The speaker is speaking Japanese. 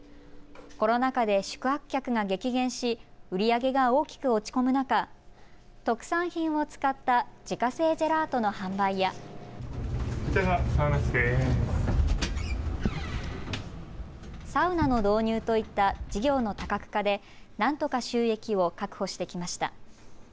コロナ禍で宿泊客が激減し売り上げが大きく落ち込む中、特産品を使った自家製ジェラートの販売やサウナの導入といった事業の多角化でなんとか収益を確保してきました。